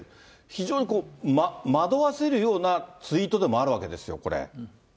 非常に惑わせるようなツイートでもあるわけですよ、これ。